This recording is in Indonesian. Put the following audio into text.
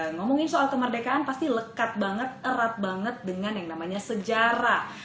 ngomongin soal kemerdekaan pasti lekat banget erat banget dengan yang namanya sejarah